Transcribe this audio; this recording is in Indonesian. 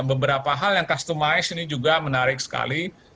beberapa hal yang customise ini juga menarik sekali